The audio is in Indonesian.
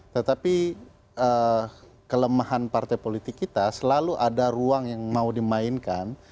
tetapi kelemahan partai politik kita selalu ada ruang yang mau dimainkan